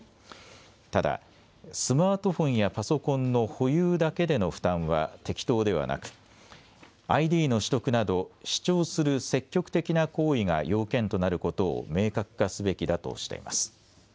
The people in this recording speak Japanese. ただスマートフォンやパソコンの保有だけでの負担は適当ではなくＩＤの取得など視聴する積極的な行為が要件となることを明確化すべきだとしています。